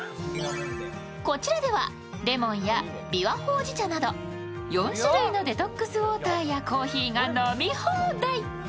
こちらではレモンやびわほうじ茶など、４種類のデトックスウォーターやコーヒーが飲み放題。